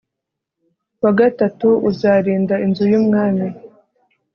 wa gatatu uzarinda inzu y umwami